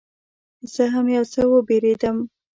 زه هم یو څه وبېرېدم.